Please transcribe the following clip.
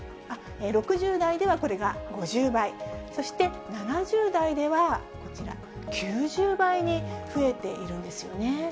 ６０代ではこれが５０倍、そして、７０代ではこちら、９０倍に増えているんですよね。